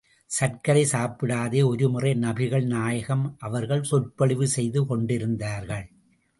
சர்க்கரை சாப்பிடாதே ஒருமுறை நபிகள் நாயகம் அவர்கள் சொற்பொழிவு செய்து கொண்டிருந்தார்கள்.